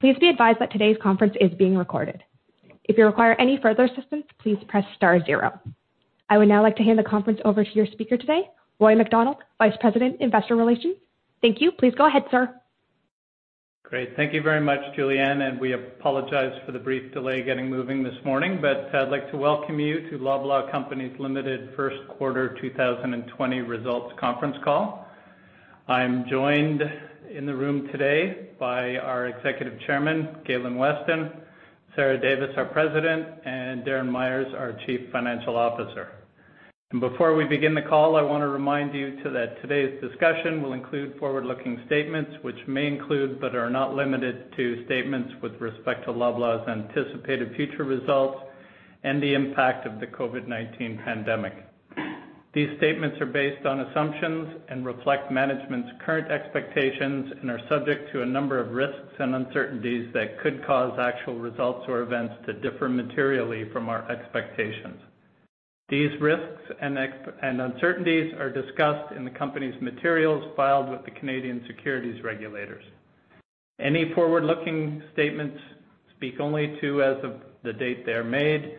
Please be advised that today's conference is being recorded. If you require any further assistance, please press star zero. I would now like to hand the conference over to your speaker today, Roy MacDonald, Vice President, Investor Relations. Thank you. Please go ahead, sir. Great. Thank you very much, Julianne, and we apologize for the brief delay getting moving this morning, but I'd like to welcome you to Loblaw Companies Limited First Quarter 2020 Results Conference Call. I'm joined in the room today by our Executive Chairman, Galen Weston, Sarah Davis, our President, and Darren Myers, our Chief Financial Officer, and before we begin the call, I want to remind you that today's discussion will include forward-looking statements, which may include but are not limited to statements with respect to Loblaw's anticipated future results and the impact of the COVID-19 pandemic. These statements are based on assumptions and reflect management's current expectations and are subject to a number of risks and uncertainties that could cause actual results or events to differ materially from our expectations. These risks and uncertainties are discussed in the company's materials filed with the Canadian securities regulators. Any forward-looking statements speak only as of the date they are made.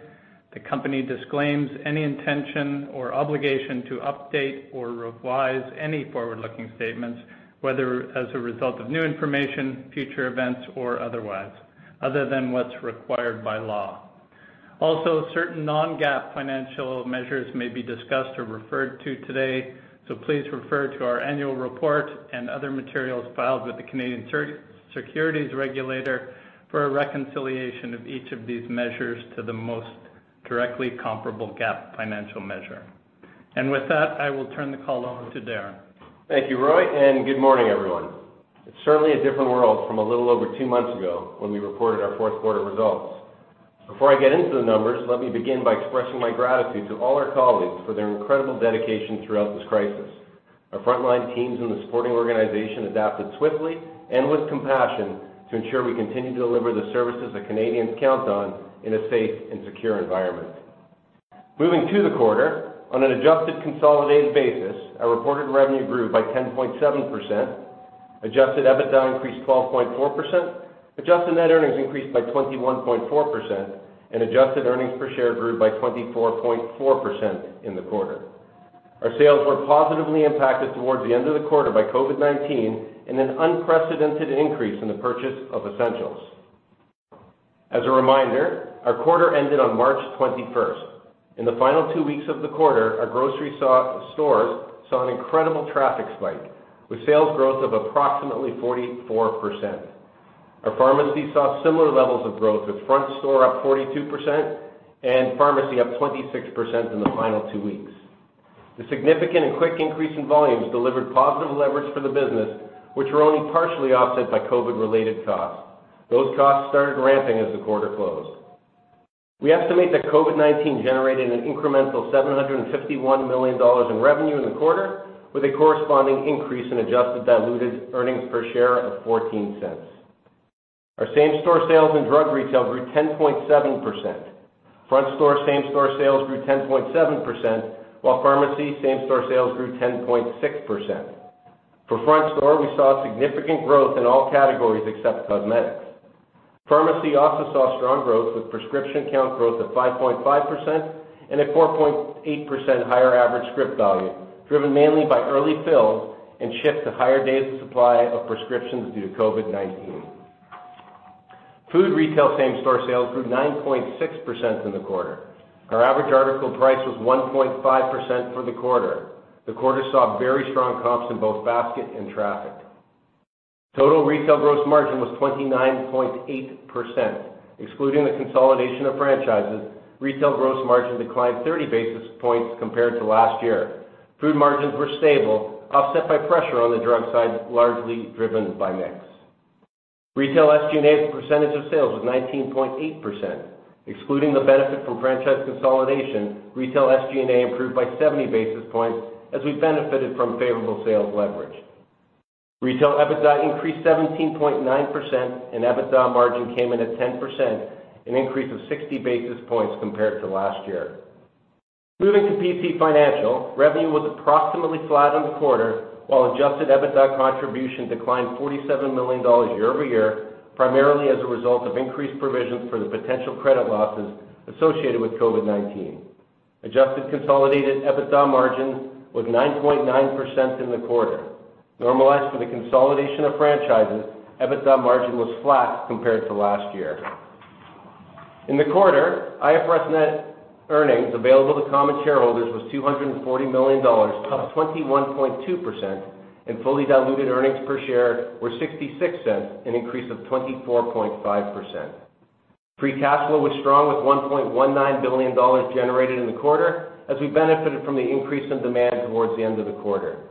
The company disclaims any intention or obligation to update or revise any forward-looking statements, whether as a result of new information, future events, or otherwise, other than what's required by law. Also, certain non-GAAP financial measures may be discussed or referred to today, so please refer to our annual report and other materials filed with the Canadian securities regulator for a reconciliation of each of these measures to the most directly comparable GAAP financial measure. With that, I will turn the call over to Darren. Thank you, Roy, and good morning, everyone. It's certainly a different world from a little over two months ago when we reported our fourth quarter results. Before I get into the numbers, let me begin by expressing my gratitude to all our colleagues for their incredible dedication throughout this crisis. Our frontline teams and the supporting organization adapted swiftly and with compassion to ensure we continue to deliver the services that Canadians count on in a safe and secure environment. Moving to the quarter, on an adjusted consolidated basis, our reported revenue grew by 10.7%, adjusted EBITDA increased 12.4%, adjusted net earnings increased by 21.4%, and adjusted earnings per share grew by 24.4% in the quarter. Our sales were positively impacted towards the end of the quarter by COVID-19 and an unprecedented increase in the purchase of essentials. As a reminder, our quarter ended on March 21st. In the final two weeks of the quarter, our grocery stores saw an incredible traffic spike with sales growth of approximately 44%. Our pharmacy saw similar levels of growth with front store up 42% and pharmacy up 26% in the final two weeks. The significant and quick increase in volumes delivered positive leverage for the business, which were only partially offset by COVID-related costs. Those costs started ramping as the quarter closed. We estimate that COVID-19 generated an incremental 751 million dollars in revenue in the quarter, with a corresponding increase in adjusted diluted earnings per share of 0.14. Our same-store sales and drug retail grew 10.7%. Front store same-store sales grew 10.7%, while pharmacy same-store sales grew 10.6%. For front store, we saw significant growth in all categories except cosmetics. Pharmacy also saw strong growth with prescription count growth of 5.5% and a 4.8% higher average script value, driven mainly by early fills and shift to higher days of supply of prescriptions due to COVID-19. Food retail same-store sales grew 9.6% in the quarter. Our average article price was 1.5% for the quarter. The quarter saw very strong comps in both basket and traffic. Total retail gross margin was 29.8%. Excluding the consolidation of franchises, retail gross margin declined 30 basis points compared to last year. Food margins were stable, offset by pressure on the drug side, largely driven by mix. Retail SG&A's percentage of sales was 19.8%. Excluding the benefit from franchise consolidation, retail SG&A improved by 70 basis points as we benefited from favorable sales leverage. Retail EBITDA increased 17.9%, and EBITDA margin came in at 10%, an increase of 60 basis points compared to last year. Moving to PC Financial, revenue was approximately flat in the quarter, while adjusted EBITDA contribution declined 47 million dollars year over year, primarily as a result of increased provisions for the potential credit losses associated with COVID-19. Adjusted consolidated EBITDA margin was 9.9% in the quarter. Normalized for the consolidation of franchises, EBITDA margin was flat compared to last year. In the quarter, IFRS net earnings available to common shareholders was 240 million dollars, up 21.2%, and fully diluted earnings per share were 0.66, an increase of 24.5%. Free cash flow was strong, with 1.19 billion dollars generated in the quarter, as we benefited from the increase in demand towards the end of the quarter.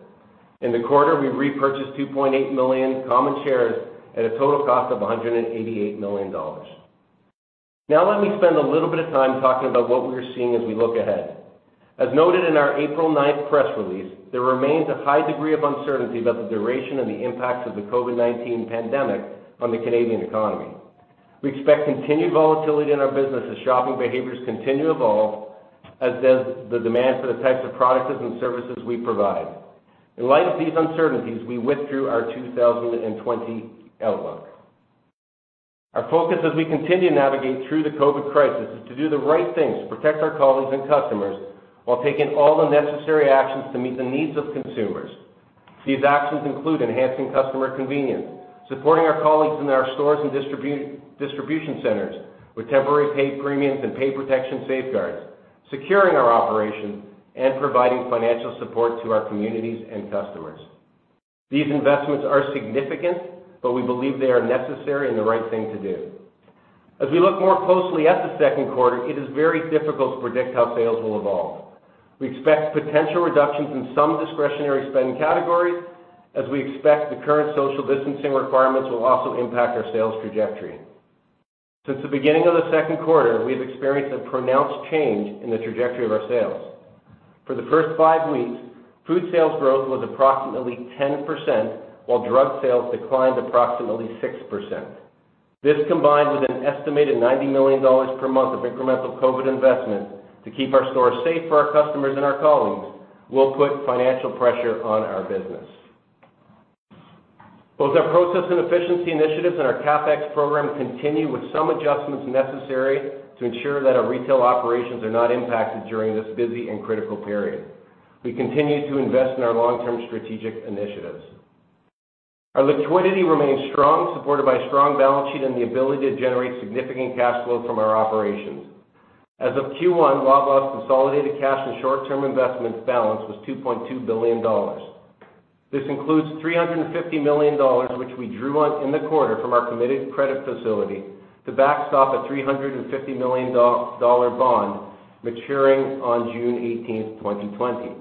In the quarter, we repurchased 2.8 million common shares at a total cost of 188 million dollars. Now, let me spend a little bit of time talking about what we are seeing as we look ahead. As noted in our April 9th press release, there remains a high degree of uncertainty about the duration and the impacts of the COVID-19 pandemic on the Canadian economy. We expect continued volatility in our business as shopping behaviors continue to evolve, as does the demand for the types of products and services we provide. In light of these uncertainties, we withdrew our 2020 outlook. Our focus, as we continue to navigate through the COVID crisis, is to do the right things to protect our colleagues and customers while taking all the necessary actions to meet the needs of consumers. These actions include enhancing customer convenience, supporting our colleagues in our stores and distribution centers with temporary paid premiums and paid protection safeguards, securing our operations, and providing financial support to our communities and customers. These investments are significant, but we believe they are necessary and the right thing to do. As we look more closely at the second quarter, it is very difficult to predict how sales will evolve. We expect potential reductions in some discretionary spend categories, as we expect the current social distancing requirements will also impact our sales trajectory. Since the beginning of the second quarter, we have experienced a pronounced change in the trajectory of our sales. For the first five weeks, food sales growth was approximately 10%, while drug sales declined approximately 6%. This, combined with an estimated $90 million per month of incremental COVID investment to keep our stores safe for our customers and our colleagues, will put financial pressure on our business. Both our process and efficiency initiatives and our CapEx program continue with some adjustments necessary to ensure that our retail operations are not impacted during this busy and critical period. We continue to invest in our long-term strategic initiatives. Our liquidity remains strong, supported by a strong balance sheet and the ability to generate significant cash flow from our operations. As of Q1, Loblaw's consolidated cash and short-term investments balance was 2.2 billion dollars. This includes 350 million dollars, which we drew on in the quarter from our committed credit facility to backstop a 350 million dollar bond maturing on June 18th, 2020.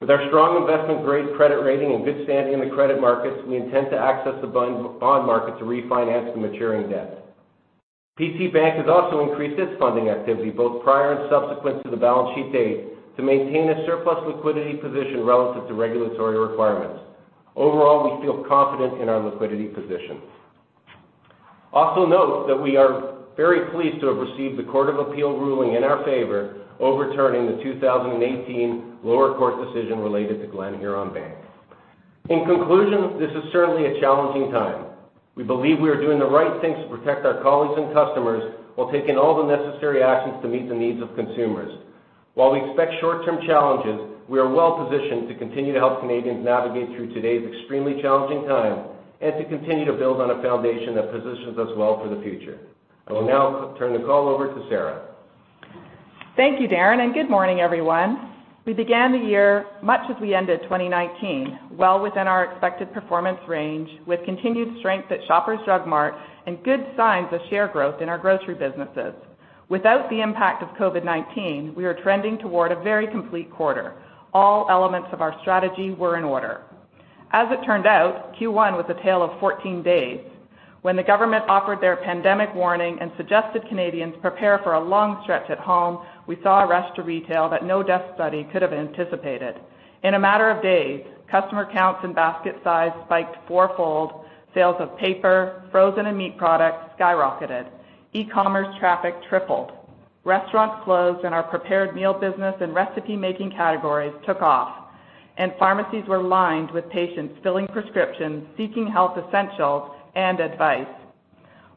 With our strong investment-grade credit rating and good standing in the credit markets, we intend to access the bond market to refinance the maturing debt. PC Bank has also increased its funding activity, both prior and subsequent to the balance sheet date, to maintain a surplus liquidity position relative to regulatory requirements. Overall, we feel confident in our liquidity position. Also note that we are very pleased to have received the Court of Appeal ruling in our favor overturning the 2018 lower court decision related to Glenhuron Bank. In conclusion, this is certainly a challenging time. We believe we are doing the right things to protect our colleagues and customers while taking all the necessary actions to meet the needs of consumers. While we expect short-term challenges, we are well-positioned to continue to help Canadians navigate through today's extremely challenging time and to continue to build on a foundation that positions us well for the future. I will now turn the call over to Sarah. Thank you, Darren, and good morning, everyone. We began the year much as we ended 2019, well within our expected performance range, with continued strength at Shoppers Drug Mart and good signs of share growth in our grocery businesses. Without the impact of COVID-19, we are trending toward a very complete quarter. All elements of our strategy were in order. As it turned out, Q1 was a tale of 14 days. When the government offered their pandemic warning and suggested Canadians prepare for a long stretch at home, we saw a rush to retail that no desk study could have anticipated. In a matter of days, customer counts and basket size spiked fourfold. Sales of paper, frozen, and meat products skyrocketed. E-commerce traffic tripled. Restaurants closed, and our prepared meal business and recipe-making categories took off, and pharmacies were lined with patients filling prescriptions, seeking health essentials and advice.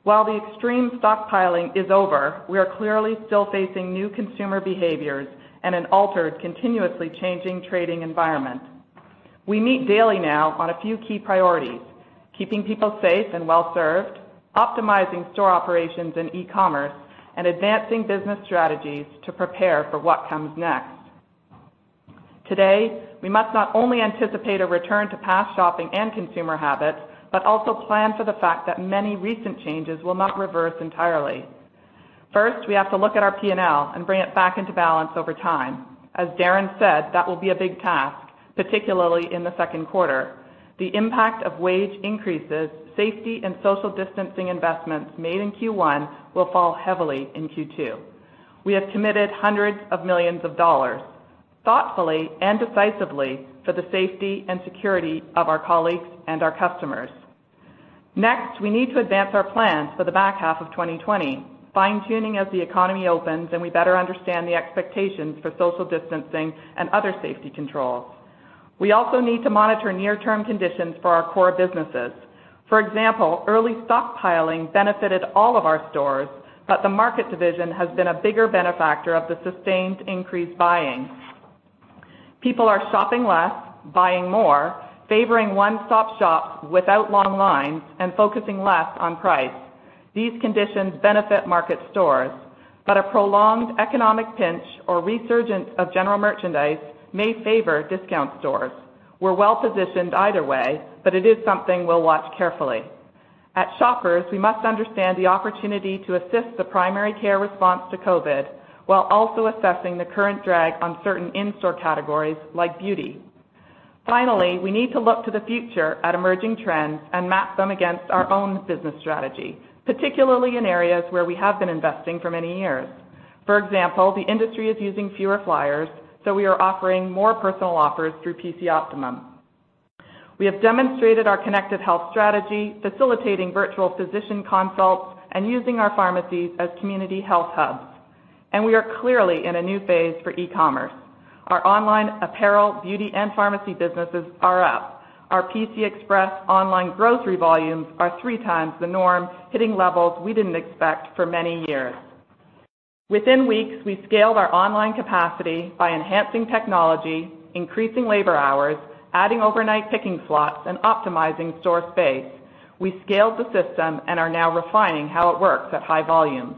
While the extreme stockpiling is over, we are clearly still facing new consumer behaviors and an altered, continuously changing trading environment. We meet daily now on a few key priorities: keeping people safe and well-served, optimizing store operations and e-commerce, and advancing business strategies to prepare for what comes next. Today, we must not only anticipate a return to past shopping and consumer habits, but also plan for the fact that many recent changes will not reverse entirely. First, we have to look at our P&L and bring it back into balance over time. As Darren said, that will be a big task, particularly in the second quarter. The impact of wage increases, safety, and social distancing investments made in Q1 will fall heavily in Q2. We have committed hundreds of millions of dollars thoughtfully and decisively for the safety and security of our colleagues and our customers. Next, we need to advance our plans for the back half of 2020, fine-tuning as the economy opens and we better understand the expectations for social distancing and other safety controls. We also need to monitor near-term conditions for our core businesses. For example, early stockpiling benefited all of our stores, but the Market division has been a bigger benefactor of the sustained increase buying. People are shopping less, buying more, favoring one-stop shops without long lines and focusing less on price. These conditions benefit Market stores, but a prolonged economic pinch or resurgence of general merchandise may favor Discount stores. We're well-positioned either way, but it is something we'll watch carefully. At Shoppers, we must understand the opportunity to assist the primary care response to COVID while also assessing the current drag on certain in-store categories like beauty. Finally, we need to look to the future at emerging trends and map them against our own business strategy, particularly in areas where we have been investing for many years. For example, the industry is using fewer flyers, so we are offering more personal offers through PC Optimum. We have demonstrated our connected health strategy, facilitating virtual physician consults and using our pharmacies as community health hubs, and we are clearly in a new phase for e-commerce. Our online apparel, beauty, and pharmacy businesses are up. Our PC Express online grocery volumes are three times the norm, hitting levels we didn't expect for many years. Within weeks, we scaled our online capacity by enhancing technology, increasing labor hours, adding overnight picking slots, and optimizing store space. We scaled the system and are now refining how it works at high volumes.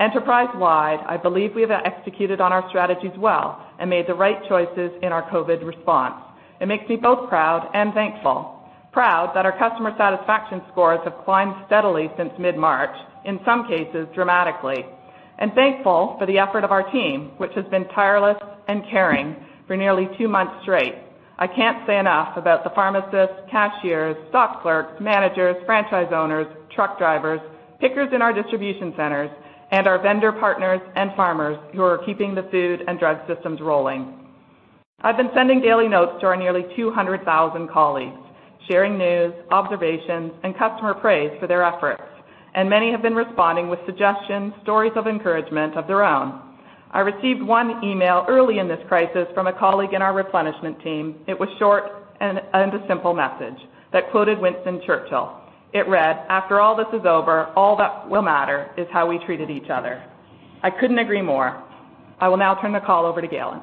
Enterprise-wide, I believe we have executed on our strategies well and made the right choices in our COVID response. It makes me both proud and thankful, proud that our customer satisfaction scores have climbed steadily since mid-March, in some cases dramatically, and thankful for the effort of our team, which has been tireless and caring for nearly two months straight. I can't say enough about the pharmacists, cashiers, stock clerks, managers, franchise owners, truck drivers, pickers in our distribution centers, and our vendor partners and farmers who are keeping the food and drug systems rolling. I've been sending daily notes to our nearly 200,000 colleagues, sharing news, observations, and customer praise for their efforts, and many have been responding with suggestions, stories of encouragement of their own. I received one email early in this crisis from a colleague in our replenishment team. It was short and a simple message that quoted Winston Churchill. It read, "After all this is over, all that will matter is how we treated each other." I couldn't agree more. I will now turn the call over to Galen.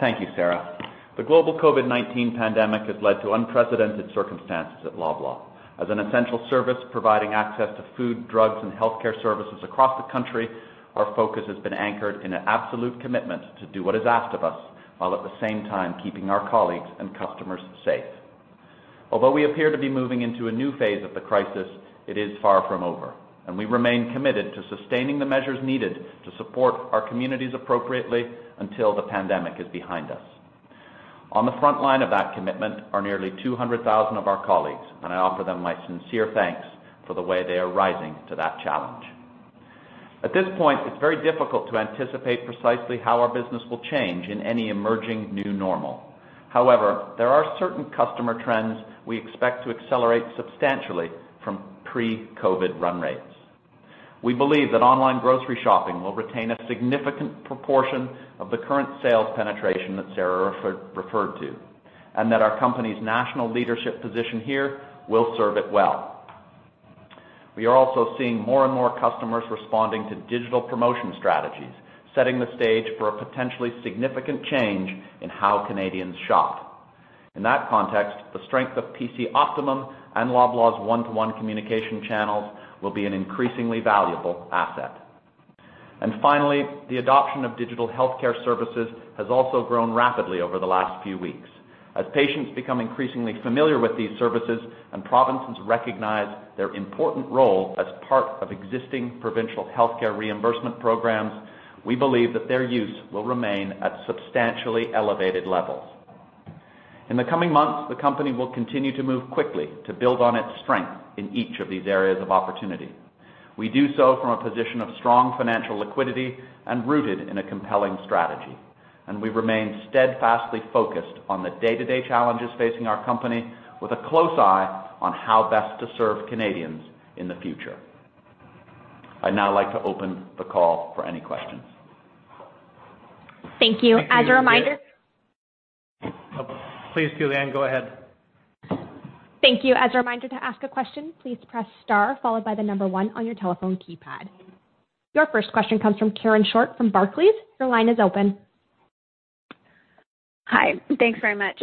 Thank you, Sarah. The global COVID-19 pandemic has led to unprecedented circumstances at Loblaw. As an essential service providing access to food, drugs, and healthcare services across the country, our focus has been anchored in an absolute commitment to do what is asked of us while at the same time keeping our colleagues and customers safe. Although we appear to be moving into a new phase of the crisis, it is far from over, and we remain committed to sustaining the measures needed to support our communities appropriately until the pandemic is behind us. On the front line of that commitment are nearly 200,000 of our colleagues, and I offer them my sincere thanks for the way they are rising to that challenge. At this point, it's very difficult to anticipate precisely how our business will change in any emerging new normal. However, there are certain customer trends we expect to accelerate substantially from pre-COVID run rates. We believe that online grocery shopping will retain a significant proportion of the current sales penetration that Sarah referred to and that our company's national leadership position here will serve it well. We are also seeing more and more customers responding to digital promotion strategies, setting the stage for a potentially significant change in how Canadians shop. In that context, the strength of PC Optimum and Loblaw's one-to-one communication channels will be an increasingly valuable asset. And finally, the adoption of digital healthcare services has also grown rapidly over the last few weeks. As patients become increasingly familiar with these services and provinces recognize their important role as part of existing provincial healthcare reimbursement programs, we believe that their use will remain at substantially elevated levels. In the coming months, the company will continue to move quickly to build on its strength in each of these areas of opportunity. We do so from a position of strong financial liquidity and rooted in a compelling strategy, and we remain steadfastly focused on the day-to-day challenges facing our company with a close eye on how best to serve Canadians in the future. I'd now like to open the call for any questions. Thank you. As a reminder. Please, Julianne, go ahead. Thank you. As a reminder to ask a question, please press star followed by the number one on your telephone keypad. Your first question comes from Karen Short from Barclays. Your line is open. Hi. Thanks very much.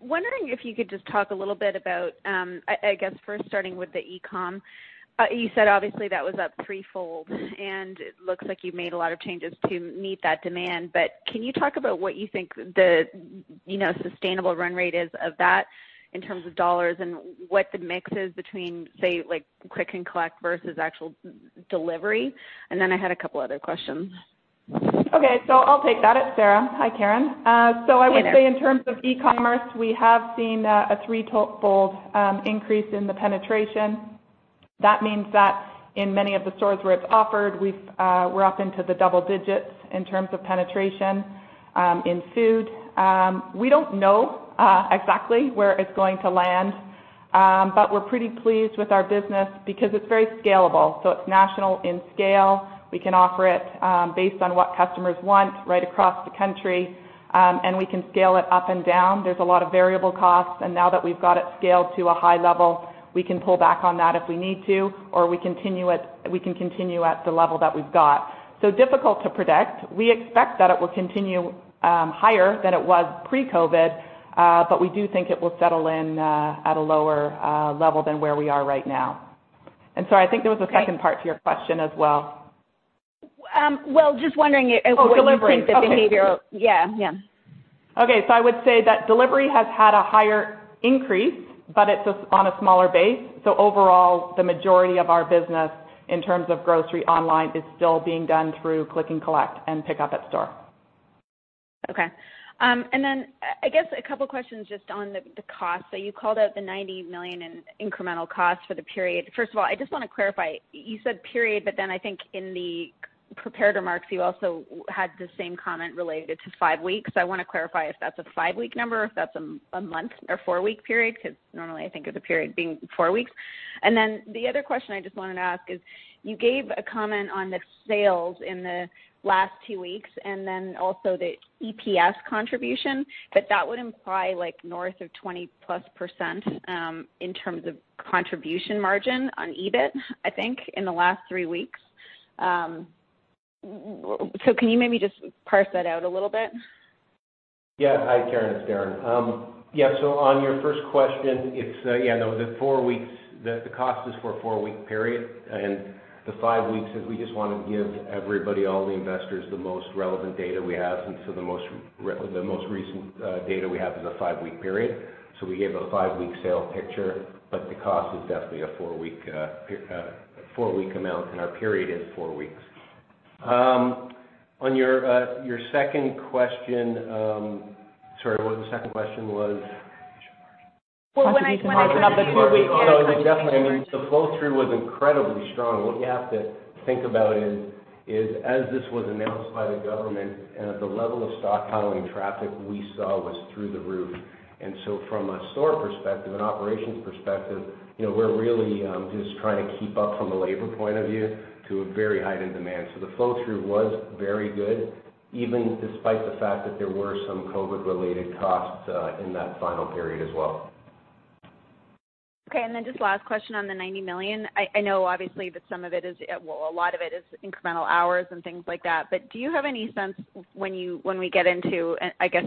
Wondering if you could just talk a little bit about, I guess, first starting with the e-comm. You said, obviously, that was up threefold, and it looks like you've made a lot of changes to meet that demand. But can you talk about what you think the sustainable run rate is of that in terms of dollars and what the mix is between, say, quick and collect versus actual delivery? And then I had a couple of other questions. Okay. So I'll take that as Sarah. Hi, Karen. So I would say in terms of e-commerce, we have seen a threefold increase in the penetration. That means that in many of the stores where it's offered, we're up into the double digits in terms of penetration in food. We don't know exactly where it's going to land, but we're pretty pleased with our business because it's very scalable. So it's national in scale. We can offer it based on what customers want right across the country, and we can scale it up and down. There's a lot of variable costs, and now that we've got it scaled to a high level, we can pull back on that if we need to, or we can continue at the level that we've got. So difficult to predict. We expect that it will continue higher than it was pre-COVID, but we do think it will settle in at a lower level than where we are right now. And sorry, I think there was a second part to your question as well. Just wondering if we would think the behavior? Delivery. Yeah. Yeah. Okay. So I would say that delivery has had a higher increase, but it's on a smaller base. So overall, the majority of our business in terms of grocery online is still being done through Click and Collect and pickup at store. Okay. And then I guess a couple of questions just on the cost. So you called out the 90 million in incremental costs for the period. First of all, I just want to clarify. You said period, but then I think in the prepared remarks, you also had the same comment related to five weeks. So I want to clarify if that's a five-week number, if that's a month or four-week period, because normally I think of the period being four weeks. And then the other question I just wanted to ask is you gave a comment on the sales in the last two weeks and then also the EPS contribution, but that would imply north of 20-plus% in terms of contribution margin on EBIT, I think, in the last three weeks. So can you maybe just parse that out a little bit? Yeah. Hi, Karen. It's Darren. Yeah. So on your first question, yeah, no, the four weeks, the cost is for a four-week period, and the five weeks is we just wanted to give everybody, all the investors, the most relevant data we have. And so the most recent data we have is a five-week period. So we gave a five-week sales picture, but the cost is definitely a four-week amount, and our period is four weeks. On your second question, sorry, what was the second question? When I opened up the two-week answer. So definitely, I mean, the flow-through was incredibly strong. What you have to think about is, as this was announced by the government, the level of stockpiling traffic we saw was through the roof. And so from a store perspective and operations perspective, we're really just trying to keep up from a labor point of view to a very heightened demand. So the flow-through was very good, even despite the fact that there were some COVID-related costs in that final period as well. Okay. And then just last question on the 90 million. I know, obviously, that some of it is, well, a lot of it is incremental hours and things like that, but do you have any sense when we get into, I guess,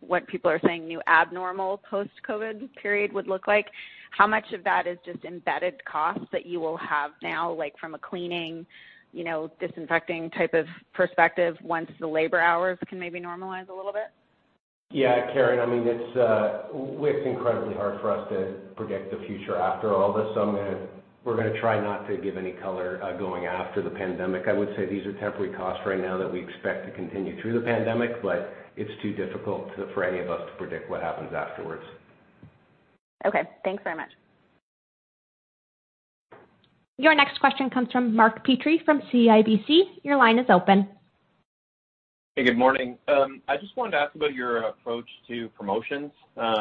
what people are saying new abnormal post-COVID period would look like, how much of that is just embedded costs that you will have now from a cleaning, disinfecting type of perspective once the labor hours can maybe normalize a little bit? Yeah. Karen, I mean, it's incredibly hard for us to predict the future after all this. So we're going to try not to give any color going after the pandemic. I would say these are temporary costs right now that we expect to continue through the pandemic, but it's too difficult for any of us to predict what happens afterwards. Okay. Thanks very much. Your next question comes from Mark Petrie from CIBC. Your line is open. Hey, good morning. I just wanted to ask about your approach to promotions,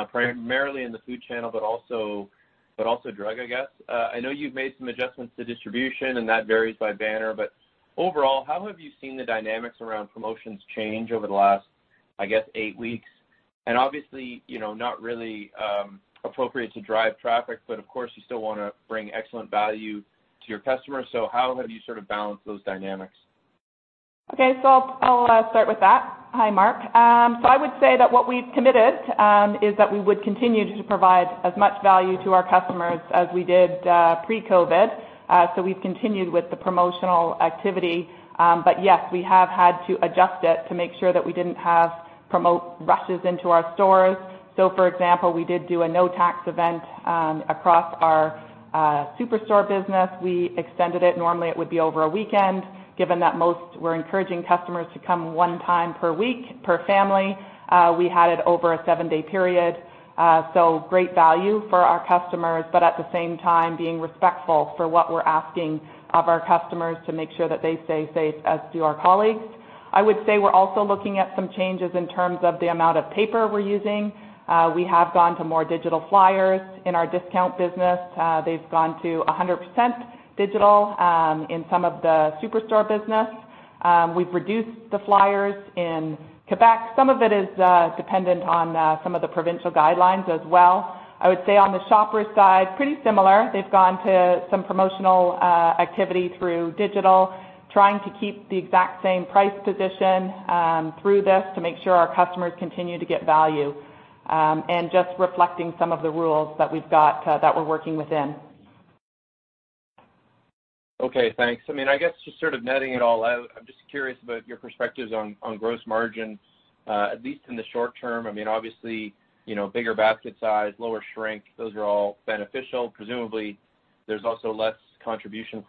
primarily in the food channel, but also drug, I guess. I know you've made some adjustments to distribution, and that varies by banner, but overall, how have you seen the dynamics around promotions change over the last, I guess, eight weeks? And obviously, not really appropriate to drive traffic, but of course, you still want to bring excellent value to your customers. So how have you sort of balanced those dynamics? Okay. So I'll start with that. Hi, Mark. So I would say that what we've committed is that we would continue to provide as much value to our customers as we did pre-COVID. So we've continued with the promotional activity, but yes, we have had to adjust it to make sure that we didn't have promo rushes into our stores. So for example, we did do a no-tax event across our Superstore business. We extended it. Normally, it would be over a weekend. Given that most were encouraging customers to come one time per week per family, we had it over a seven-day period. So great value for our customers, but at the same time, being respectful for what we're asking of our customers to make sure that they stay safe as do our colleagues. I would say we're also looking at some changes in terms of the amount of paper we're using. We have gone to more digital flyers in our Discount business. They've gone to 100% digital in some of the Superstore business. We've reduced the flyers in Quebec. Some of it is dependent on some of the provincial guidelines as well. I would say on the shopper side, pretty similar. They've gone to some promotional activity through digital, trying to keep the exact same price position through this to make sure our customers continue to get value and just reflecting some of the rules that we've got that we're working within. Okay. Thanks. I mean, I guess just sort of netting it all out, I'm just curious about your perspectives on gross margin, at least in the short term. I mean, obviously, bigger basket size, lower shrink, those are all beneficial. Presumably, there's also less contribution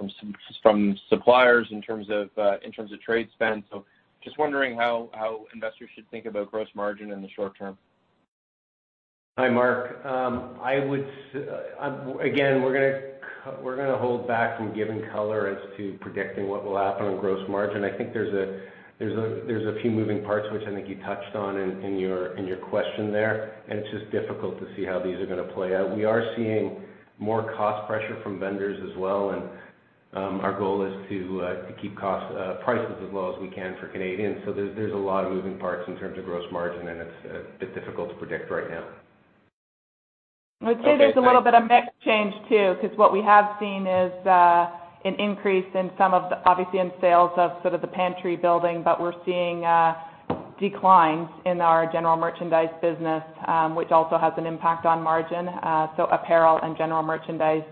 from suppliers in terms of trade spend. So just wondering how investors should think about gross margin in the short term. Hi, Mark. Again, we're going to hold back from giving color as to predicting what will happen on gross margin. I think there's a few moving parts, which I think you touched on in your question there, and it's just difficult to see how these are going to play out. We are seeing more cost pressure from vendors as well, and our goal is to keep prices as low as we can for Canadians. So there's a lot of moving parts in terms of gross margin, and it's a bit difficult to predict right now. I would say there's a little bit of mixed change too because what we have seen is an increase in some of the, obviously, in sales of sort of the pantry building, but we're seeing declines in our general merchandise business, which also has an impact on margin. So apparel and general merchandise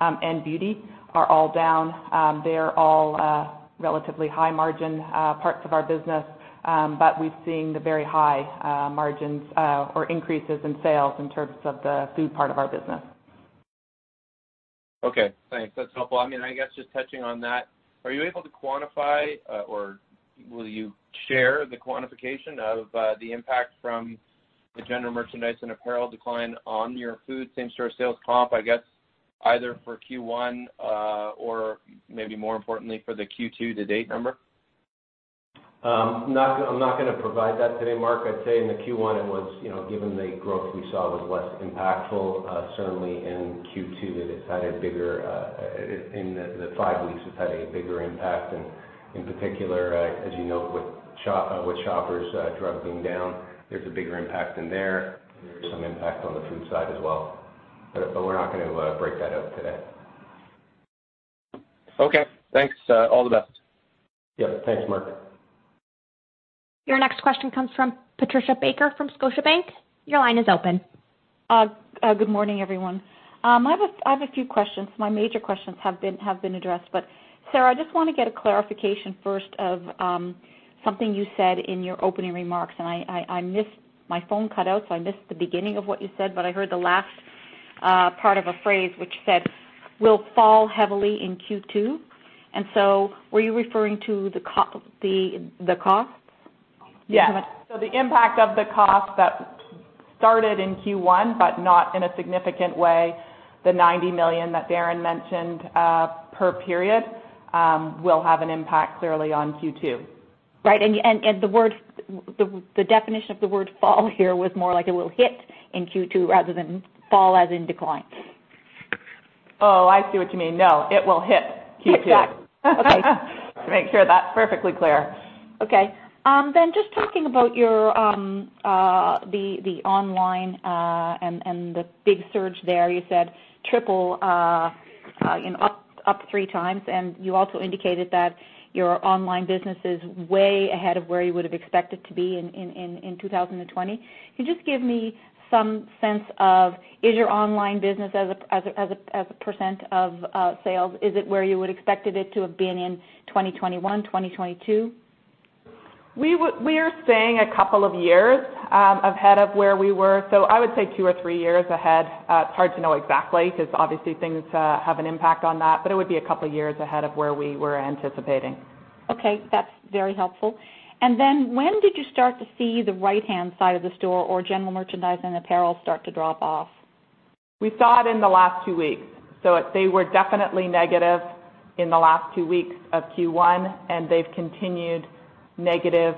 and beauty are all down. They're all relatively high-margin parts of our business, but we've seen the very high margins or increases in sales in terms of the food part of our business. Okay. Thanks. That's helpful. I mean, I guess just touching on that, are you able to quantify or will you share the quantification of the impact from the general merchandise and apparel decline on your food, same-store sales comp, I guess, either for Q1 or maybe more importantly for the Q2 to date number? I'm not going to provide that today, Mark. I'd say in the Q1, given the growth we saw, it was less impactful. Certainly, in Q2, it had a bigger impact in the five weeks. And in particular, as you know, with Shoppers Drug Mart being down, there's a bigger impact in there. There's some impact on the food side as well. But we're not going to break that out today. Okay. Thanks. All the best. Yep. Thanks, Mark. Your next question comes from Patricia Baker from Scotiabank. Your line is open. Good morning, everyone. I have a few questions. My major questions have been addressed. But Sarah, I just want to get a clarification first of something you said in your opening remarks, and my phone cut out, so I missed the beginning of what you said, but I heard the last part of a phrase which said, "We'll fall heavily in Q2," and so were you referring to the costs? Yeah. The impact of the costs that started in Q1, but not in a significant way, the 90 million that Darren mentioned per period, will have an impact clearly on Q2. Right. And the definition of the word fall here was more like it will hit in Q2 rather than fall as in decline. Oh, I see what you mean. No, it will hit Q2. Exactly. Okay. To make sure that's perfectly clear. Okay. Then just talking about the online and the big surge there, you said triple up three times, and you also indicated that your online business is way ahead of where you would have expected to be in 2020. Can you just give me some sense of is your online business as a % of sales, is it where you would have expected it to have been in 2021, 2022? We are staying a couple of years ahead of where we were, so I would say two or three years ahead. It's hard to know exactly because, obviously, things have an impact on that, but it would be a couple of years ahead of where we were anticipating. Okay. That's very helpful. And then when did you start to see the right-hand side of the store or general merchandise and apparel start to drop off? We saw it in the last two weeks. So they were definitely negative in the last two weeks of Q1, and they've continued negative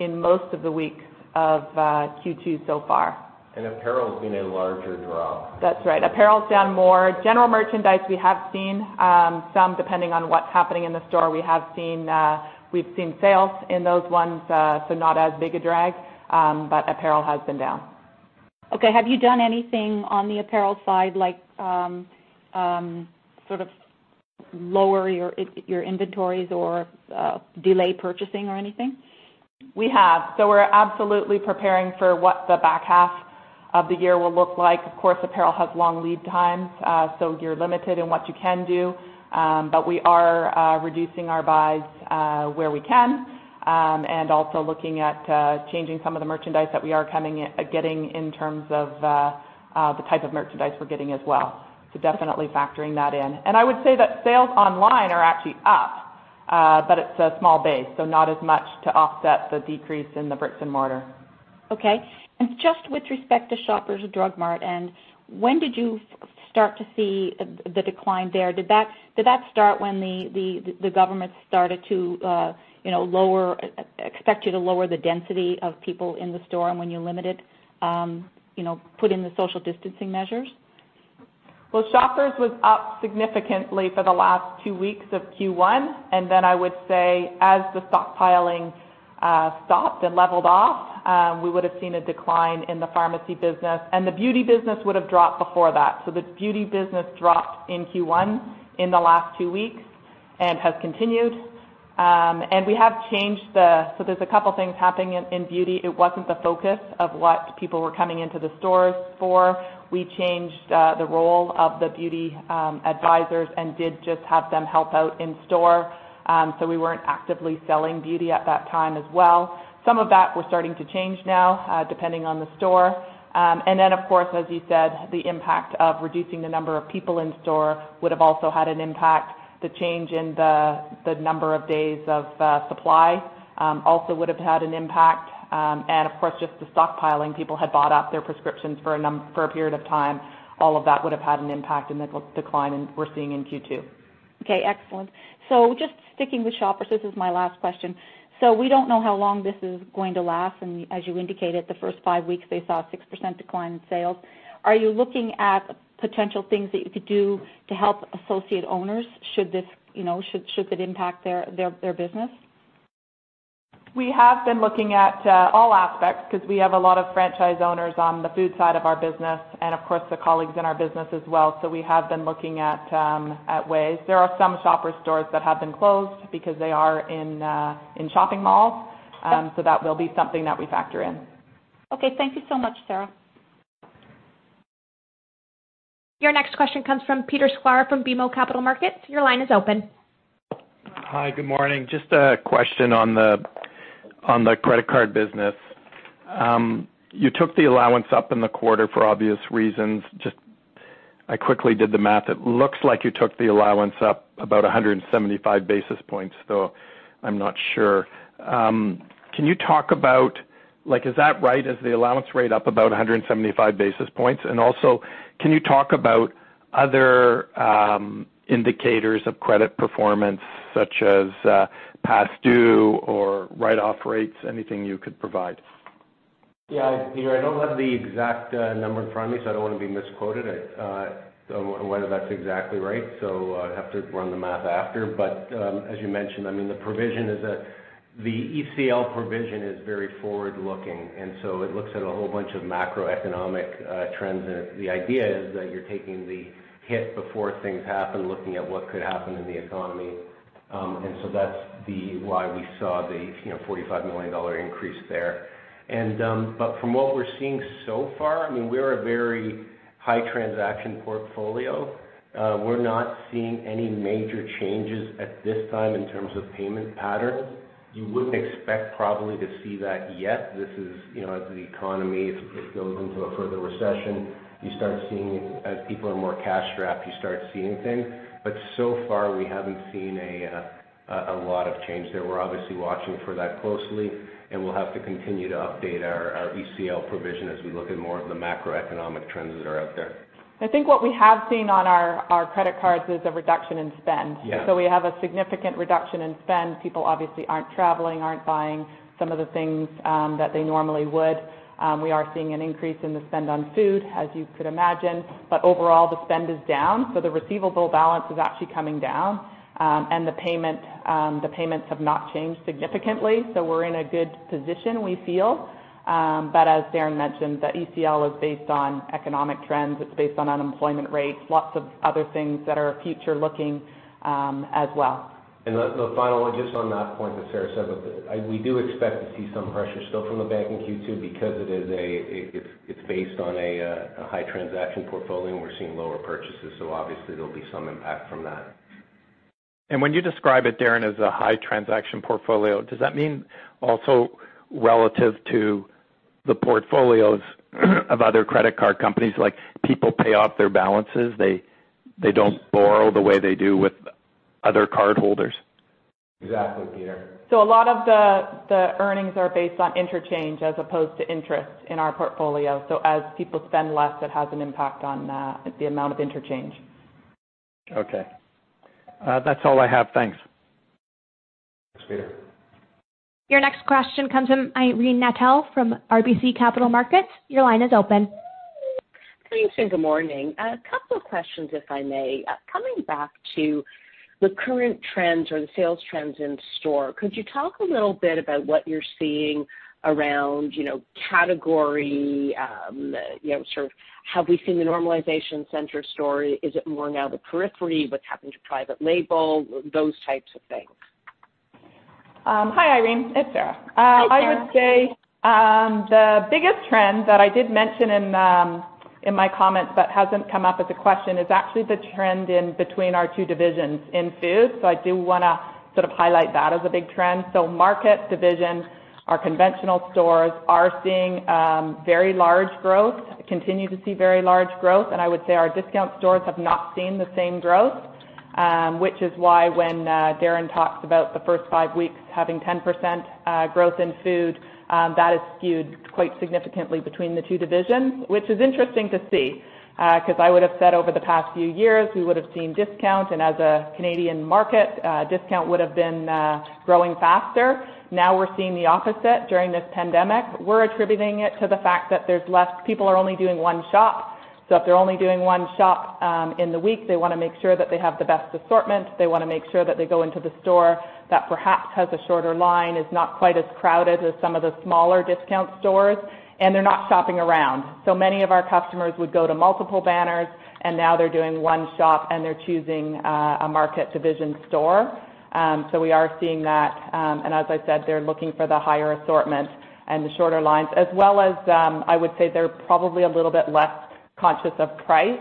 in most of the weeks of Q2 so far. Apparel has been a larger drop. That's right. Apparel's down more. General merchandise, we have seen some depending on what's happening in the store. We've seen sales in those ones, so not as big a drag, but apparel has been down. Okay. Have you done anything on the apparel side, like sort of lower your inventories or delay purchasing or anything? We have, so we're absolutely preparing for what the back half of the year will look like. Of course, apparel has long lead times, so you're limited in what you can do, but we are reducing our buys where we can and also looking at changing some of the merchandise that we are getting in terms of the type of merchandise we're getting as well. So definitely factoring that in, and I would say that sales online are actually up, but it's a small base, so not as much to offset the decrease in the brick and mortar. Okay. Just with respect to Shoppers Drug Mart, when did you start to see the decline there? Did that start when the government started to expect you to lower the density of people in the store and when you put in the social distancing measures? Shoppers was up significantly for the last two weeks of Q1, and then I would say as the stockpiling stopped and leveled off, we would have seen a decline in the pharmacy business. And the beauty business would have dropped before that. So the beauty business dropped in Q1 in the last two weeks and has continued. And we have changed, so there's a couple of things happening in beauty. It wasn't the focus of what people were coming into the stores for. We changed the role of the beauty advisors and did just have them help out in store. So we weren't actively selling beauty at that time as well. Some of that we're starting to change now depending on the store. And then, of course, as you said, the impact of reducing the number of people in store would have also had an impact. The change in the number of days of supply also would have had an impact. And of course, just the stockpiling, people had bought up their prescriptions for a period of time. All of that would have had an impact in the decline we're seeing in Q2. Okay. Excellent. So just sticking with Shoppers, this is my last question. So we don't know how long this is going to last. And as you indicated, the first five weeks, they saw a 6% decline in sales. Are you looking at potential things that you could do to help associate owners? Should this impact their business? We have been looking at all aspects because we have a lot of franchise owners on the food side of our business and, of course, the colleagues in our business as well. So we have been looking at ways. There are some Shoppers stores that have been closed because they are in shopping malls, so that will be something that we factor in. Okay. Thank you so much, Sarah. Your next question comes from Peter Sklar from BMO Capital Markets. Your line is open. Hi. Good morning. Just a question on the credit card business. You took the allowance up in the quarter for obvious reasons. I quickly did the math. It looks like you took the allowance up about 175 basis points, though I'm not sure. Can you talk about, is that right? Is the allowance rate up about 175 basis points? And also, can you talk about other indicators of credit performance such as past due or write-off rates? Anything you could provide? Yeah. Peter, I don't have the exact number in front of me, so I don't want to be misquoted on whether that's exactly right. So I have to run the math after. But as you mentioned, I mean, the provision is that the ECL provision is very forward-looking, and so it looks at a whole bunch of macroeconomic trends. And the idea is that you're taking the hit before things happen, looking at what could happen in the economy. And so that's why we saw the 45 million dollar increase there. But from what we're seeing so far, I mean, we're a very high transaction portfolio. We're not seeing any major changes at this time in terms of payment patterns. You wouldn't expect probably to see that yet. This is as the economy goes into a further recession, you start seeing as people are more cash-strapped, you start seeing things. But so far, we haven't seen a lot of change there. We're obviously watching for that closely, and we'll have to continue to update our ECL provision as we look at more of the macroeconomic trends that are out there. I think what we have seen on our credit cards is a reduction in spend. So we have a significant reduction in spend. People obviously aren't traveling, aren't buying some of the things that they normally would. We are seeing an increase in the spend on food, as you could imagine. But overall, the spend is down. So the receivable balance is actually coming down, and the payments have not changed significantly. So we're in a good position, we feel. But as Darren mentioned, the ECL is based on economic trends. It's based on unemployment rates, lots of other things that are future-looking as well. The final one just on that point that Sarah said, we do expect to see some pressure still from the bank in Q2 because it's based on a high transaction portfolio. We're seeing lower purchases, so obviously, there'll be some impact from that. And when you describe it, Darren, as a high transaction portfolio, does that mean also relative to the portfolios of other credit card companies? People pay off their balances. They don't borrow the way they do with other cardholders. Exactly, Peter. So a lot of the earnings are based on interchange as opposed to interest in our portfolio. So as people spend less, it has an impact on the amount of interchange. Okay. That's all I have. Thanks. Thanks, Peter. Your next question comes from Irene Nattel from RBC Capital Markets. Your line is open. Thanks. And good morning. A couple of questions, if I may. Coming back to the current trends or the sales trends in store, could you talk a little bit about what you're seeing around category? Sort of have we seen the normalization center store? Is it more now the periphery? What's happened to private label? Those types of things. Hi, Irene. It's Sarah. Hi, Sarah. I would say the biggest trend that I did mention in my comments but hasn't come up as a question is actually the trend in between our two divisions in food. So I do want to sort of highlight that as a big trend. So market division, our conventional stores are seeing very large growth, continue to see very large growth. And I would say our Discount stores have not seen the same growth, which is why when Darren talks about the first five weeks having 10% growth in food, that is skewed quite significantly between the two divisions, which is interesting to see because I would have said over the past few years, we would have seen discount. And as a Canadian market, discount would have been growing faster. Now we're seeing the opposite during this pandemic. We're attributing it to the fact that people are only doing one shop. So if they're only doing one shop in the week, they want to make sure that they have the best assortment. They want to make sure that they go into the store that perhaps has a shorter line, is not quite as crowded as some of the smaller Discount stores, and they're not shopping around. So many of our customers would go to multiple banners, and now they're doing one shop, and they're choosing a Market division store. So we are seeing that. And as I said, they're looking for the higher assortment and the shorter lines, as well as I would say they're probably a little bit less conscious of price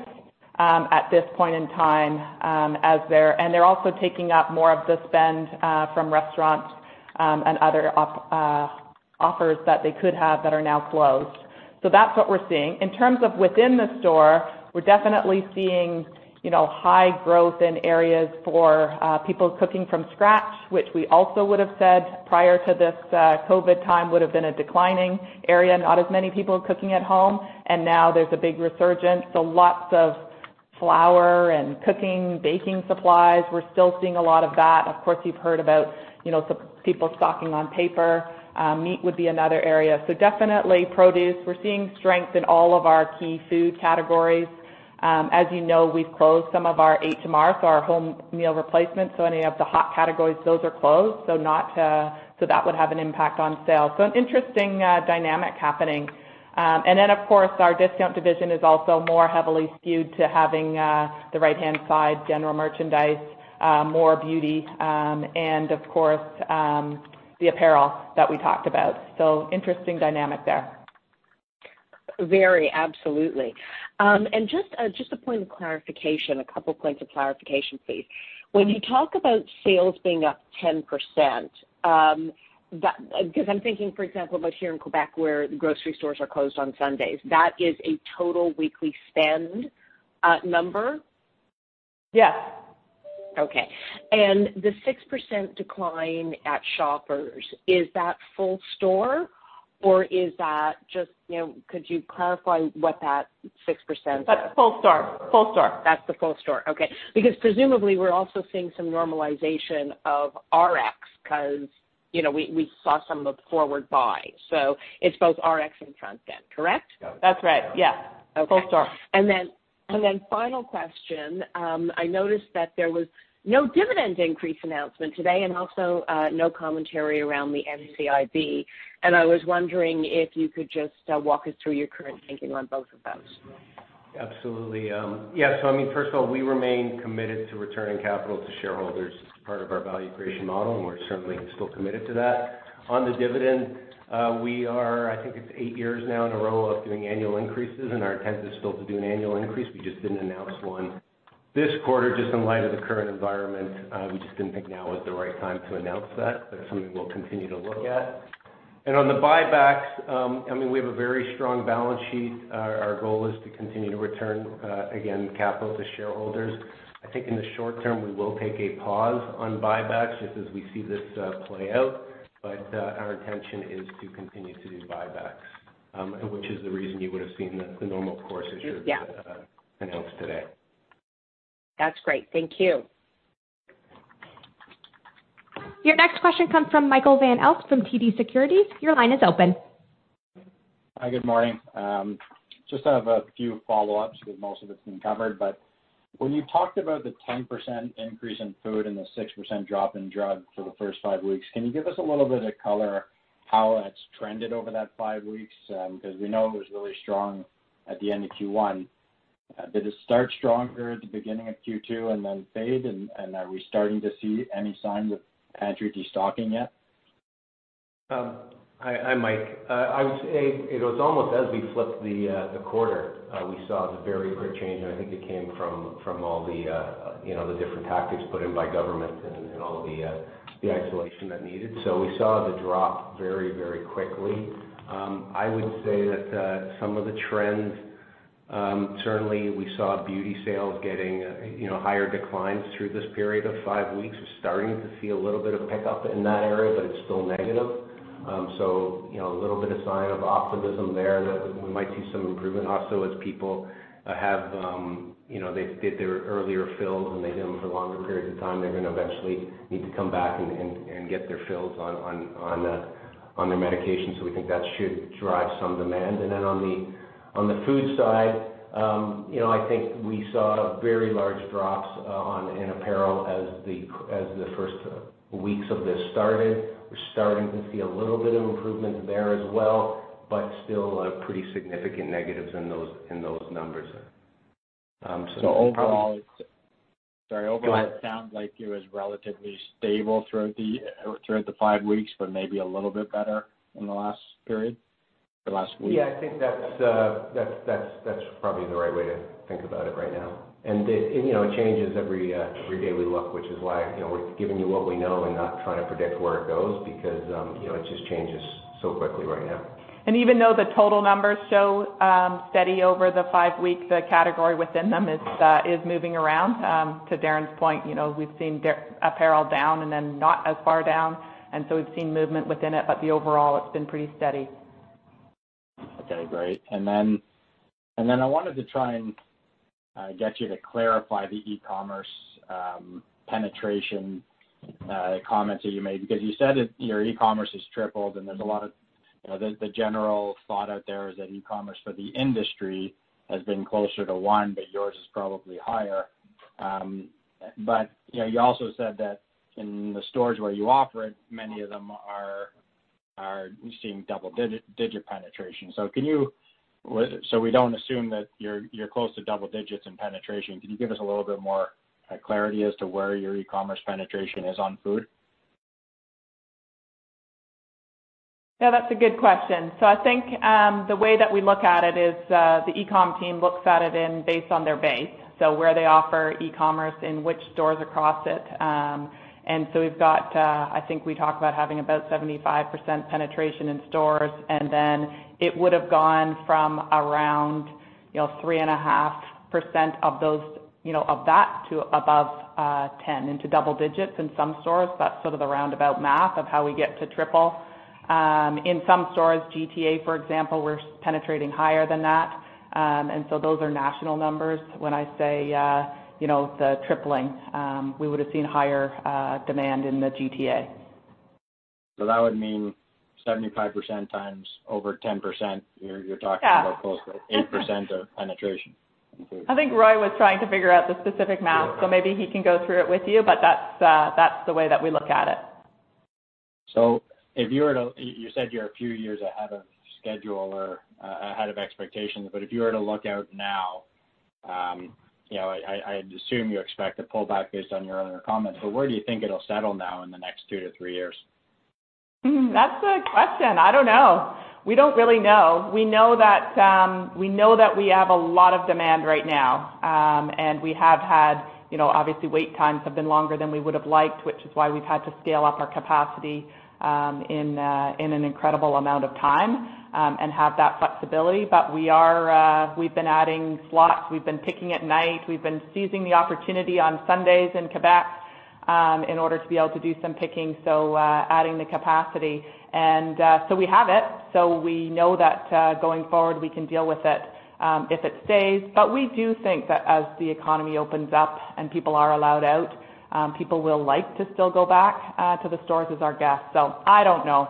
at this point in time. They're also taking up more of the spend from restaurants and other offers that they could have that are now closed. So that's what we're seeing. In terms of within the store, we're definitely seeing high growth in areas for people cooking from scratch, which we also would have said prior to this COVID time would have been a declining area. Not as many people cooking at home. And now there's a big resurgence. So lots of flour and cooking, baking supplies. We're still seeing a lot of that. Of course, you've heard about people stocking up on paper. Meat would be another area. So definitely produce. We're seeing strength in all of our key food categories. As you know, we've closed some of our HMR, so our home meal replacement. So that would have an impact on sales. So an interesting dynamic happening. And then, of course, our Discount division is also more heavily skewed to having the right-hand side general merchandise, more beauty, and of course, the apparel that we talked about. So interesting dynamic there. Very. Absolutely. And just a point of clarification, a couple of points of clarification, please. When you talk about sales being up 10%, because I'm thinking, for example, about here in Quebec where the grocery stores are closed on Sundays, that is a total weekly spend number? Yes. Okay. And the 6% decline at Shoppers, is that full store or is that just? Could you clarify what that 6% is? That's full store. Full store. That's the full store. Okay. Because presumably, we're also seeing some normalization of Rx because we saw some of the forward buy. So it's both Rx and front-end, correct? That's right. Yeah. Full store. And then the final question. I noticed that there was no dividend increase announcement today, and also no commentary around the NCIB. And I was wondering if you could just walk us through your current thinking on both of those. Absolutely. Yeah. So I mean, first of all, we remain committed to returning capital to shareholders. It's part of our value creation model, and we're certainly still committed to that. On the dividend, we are. I think it's eight years now in a row of doing annual increases, and our intent is still to do an annual increase. We just didn't announce one this quarter just in light of the current environment. We just didn't think now was the right time to announce that, but it's something we'll continue to look at. And on the buybacks, I mean, we have a very strong balance sheet. Our goal is to continue to return, again, capital to shareholders. I think in the short term, we will take a pause on buybacks just as we see this play out. But our intention is to continue to do buybacks, which is the reason you would have seen the Normal Course Issuer Bid announced today. That's great. Thank you. Your next question comes from Michael Van Aelst from TD Securities. Your line is open. Hi. Good morning. Just have a few follow-ups because most of it's been covered, but when you talked about the 10% increase in food and the 6% drop in drugs for the first five weeks, can you give us a little bit of color how it's trended over that five weeks? Because we know it was really strong at the end of Q1. Did it start stronger at the beginning of Q2 and then fade? And are we starting to see any signs of pantry destocking yet? Hi, Mike. I would say it was almost as we flipped the quarter, we saw the very quick change, and I think it came from all the different tactics put in by government and all the isolation that needed, so we saw the drop very, very quickly. I would say that some of the trends, certainly, we saw beauty sales getting higher declines through this period of five weeks. We're starting to see a little bit of pickup in that area, but it's still negative. So a little bit of sign of optimism there that we might see some improvement. Also, as people have did their earlier fills and they did them for longer periods of time, they're going to eventually need to come back and get their fills on their medication. So we think that should drive some demand. And then on the food side, I think we saw very large drops in apparel as the first weeks of this started. We're starting to see a little bit of improvement there as well, but still pretty significant negatives in those numbers. So overall. Go ahead. Sorry. Overall, it sounds like it was relatively stable throughout the five weeks, but maybe a little bit better in the last period, the last week. Yeah. I think that's probably the right way to think about it right now. And it changes every day we look, which is why we're giving you what we know and not trying to predict where it goes because it just changes so quickly right now. Even though the total numbers show steady over the five weeks, the category within them is moving around. To Darren's point, we've seen apparel down and then not as far down. So we've seen movement within it, but overall, it's been pretty steady. Okay. Great. And then I wanted to try and get you to clarify the e-commerce penetration, the comments that you made. Because you said that your e-commerce has tripled and there's a lot of the general thought out there is that e-commerce for the industry has been closer to one, but yours is probably higher. But you also said that in the stores where you operate, many of them are seeing double-digit penetration. So we don't assume that you're close to double digits in penetration. Can you give us a little bit more clarity as to where your e-commerce penetration is on food? Yeah. That's a good question. So I think the way that we look at it is the e-comm team looks at it based on their base, so where they offer e-commerce in which stores across it. And so we've got, I think we talked about having about 75% penetration in stores. And then it would have gone from around 3.5% of that to above 10% into double digits in some stores. That's sort of the roundabout math of how we get to triple. In some stores, GTA, for example, we're penetrating higher than that. And so those are national numbers. When I say the tripling, we would have seen higher demand in the GTA. So that would mean 75% times over 10%. You're talking about close to eight% of penetration. I think Roy was trying to figure out the specific math, so maybe he can go through it with you, but that's the way that we look at it. So if you were to—you said you're a few years ahead of schedule or ahead of expectations. But if you were to look out now, I'd assume you expect a pullback based on your earlier comments. But where do you think it'll settle now in the next two to three years? That's a good question. I don't know. We don't really know. We know that we have a lot of demand right now. And we have had, obviously, wait times have been longer than we would have liked, which is why we've had to scale up our capacity in an incredible amount of time and have that flexibility. But we've been adding slots. We've been picking at night. We've been seizing the opportunity on Sundays in Quebec in order to be able to do some picking. So adding the capacity. And so we have it. So we know that going forward, we can deal with it if it stays. But we do think that as the economy opens up and people are allowed out, people will like to still go back to the stores as our guests. So I don't know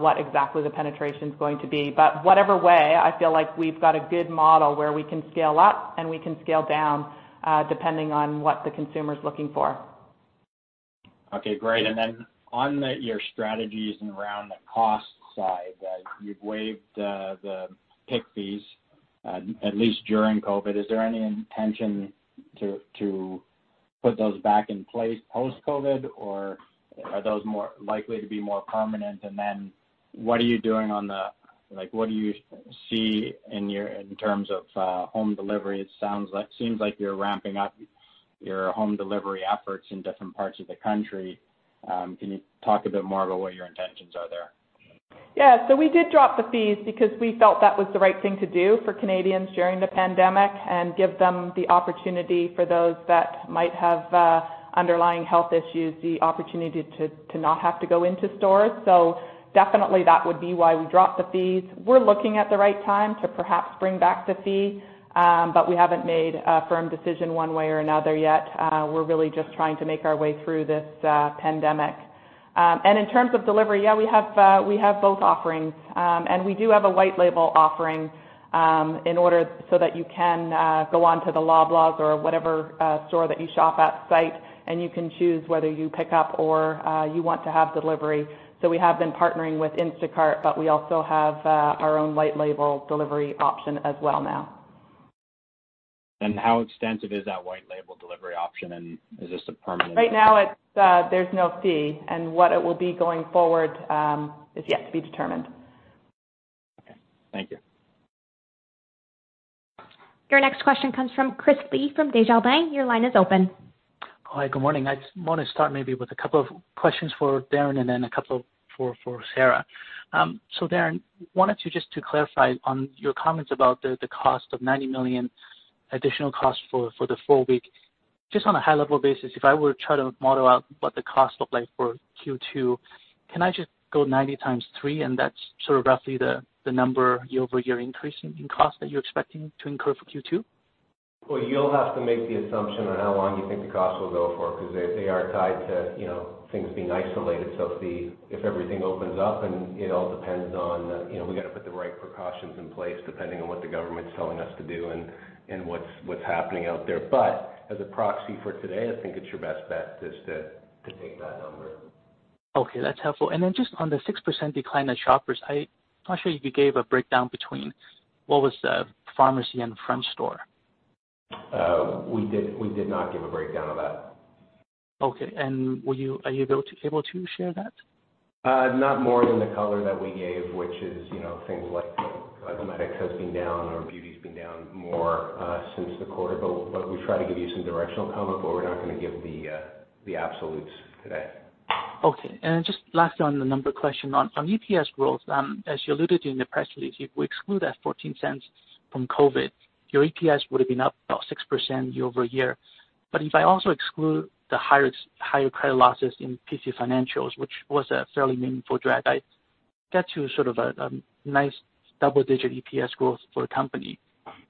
what exactly the penetration is going to be. But whatever way, I feel like we've got a good model where we can scale up and we can scale down depending on what the consumer is looking for. Okay. Great. And then on your strategies and around the cost side, you've waived the pick fees at least during COVID. Is there any intention to put those back in place post-COVID, or are those likely to be more permanent? And then what are you doing on the—what do you see in terms of home delivery? It seems like you're ramping up your home delivery efforts in different parts of the country. Can you talk a bit more about what your intentions are there? Yeah. So we did drop the fees because we felt that was the right thing to do for Canadians during the pandemic and give them the opportunity for those that might have underlying health issues, the opportunity to not have to go into stores. So definitely, that would be why we dropped the fees. We're looking at the right time to perhaps bring back the fee, but we haven't made a firm decision one way or another yet. We're really just trying to make our way through this pandemic. And in terms of delivery, yeah, we have both offerings. And we do have a white label offering in order so that you can go on to the Loblaws or whatever store that you shop at shopping site, and you can choose whether you pick up or you want to have delivery. So we have been partnering with Instacart, but we also have our own white label delivery option as well now. How extensive is that white label delivery option, and is this a permanent? Right now, there's no fee, and what it will be going forward is yet to be determined. Okay. Thank you. Your next question comes from Chris Li from Desjardins Capital Markets. Your line is open. Hi. Good morning. I want to start maybe with a couple of questions for Darren and then a couple for Sarah. So Darren, wanted to just clarify on your comments about the cost of 90 million additional cost for the full week. Just on a high-level basis, if I were to try to model out what the cost looked like for Q2, can I just go 90 times 3, and that's sort of roughly the number year-over-year increase in cost that you're expecting to incur for Q2? You'll have to make the assumption on how long you think the cost will go for because they are tied to things being isolated. If everything opens up, and it all depends on we got to put the right precautions in place depending on what the government's telling us to do and what's happening out there. As a proxy for today, I think it's your best bet just to take that number. Okay. That's helpful. And then just on the 6% decline of Shoppers, I'm not sure you gave a breakdown between what was pharmacy and front store. We did not give a breakdown of that. Okay. And are you able to share that? Not more than the color that we gave, which is things like cosmetics has been down or beauty has been down more since the quarter. But we've tried to give you some directional comment, but we're not going to give the absolutes today. Okay. And just lastly on the number question. On EPS growth, as you alluded to in the press release, if we exclude that $0.14 from COVID, your EPS would have been up about 6% year-over-year. But if I also exclude the higher credit losses in PC Financial, which was a fairly meaningful drag, I get to sort of a nice double-digit EPS growth for a company.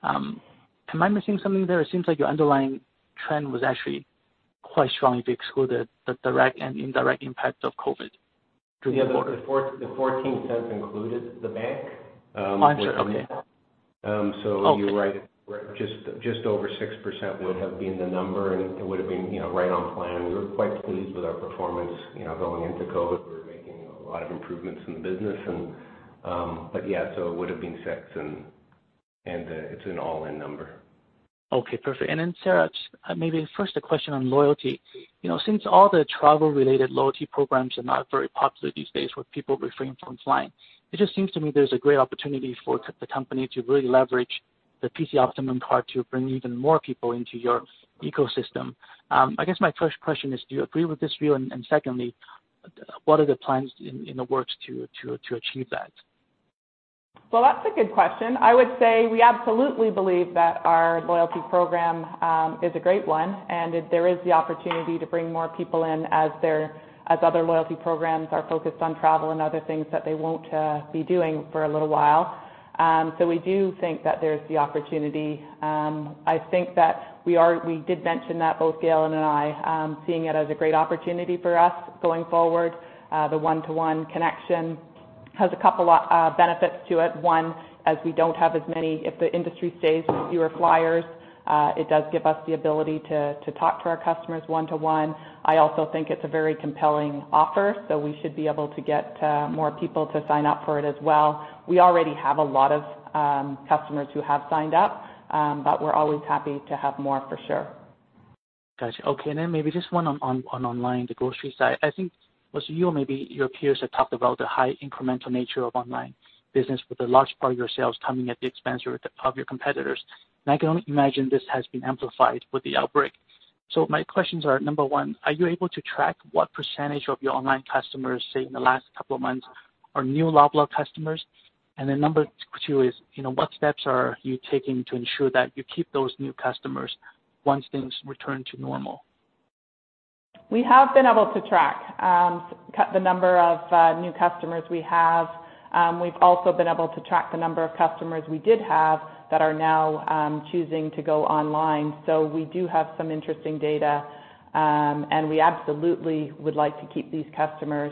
Am I missing something there? It seems like your underlying trend was actually quite strong if you exclude the direct and indirect impact of COVID during the quarter. The $0.14 included the bank? I'm sure. Okay. So you're right. Just over 6% would have been the number, and it would have been right on plan. We were quite pleased with our performance going into COVID. We were making a lot of improvements in the business. But yeah, so it would have been 6, and it's an all-in number. Okay. Perfect. And then Sarah, maybe first a question on loyalty. Since all the travel-related loyalty programs are not very popular these days with people refraining from flying, it just seems to me there's a great opportunity for the company to really leverage the PC Optimum part to bring even more people into your ecosystem. I guess my first question is, do you agree with this view? And secondly, what are the plans in the works to achieve that? That's a good question. I would say we absolutely believe that our loyalty program is a great one, and there is the opportunity to bring more people in as other loyalty programs are focused on travel and other things that they won't be doing for a little while. So we do think that there's the opportunity. I think that we did mention that both Galen and I, seeing it as a great opportunity for us going forward. The one-to-one connection has a couple of benefits to it. One, as we don't have as many, if the industry stays with fewer flyers, it does give us the ability to talk to our customers one-to-one. I also think it's a very compelling offer, so we should be able to get more people to sign up for it as well. We already have a lot of customers who have signed up, but we're always happy to have more for sure. Gotcha. Okay, and then maybe just one on online, the grocery side. I think both you and maybe your peers have talked about the high incremental nature of online business with a large part of your sales coming at the expense of your competitors, and I can only imagine this has been amplified with the outbreak, so my questions are, number one, are you able to track what percentage of your online customers, say, in the last couple of months, are new Loblaw customers, and then number two is, what steps are you taking to ensure that you keep those new customers once things return to normal? We have been able to track the number of new customers we have. We've also been able to track the number of customers we did have that are now choosing to go online. So we do have some interesting data, and we absolutely would like to keep these customers.